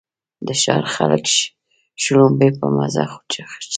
د ښار خلک شړومبې په مزه څښي.